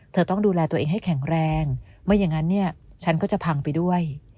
ต้องดูแลตัวเองให้แข็งแรงไม่อย่างนั้นเนี่ยฉันก็จะพังไปด้วย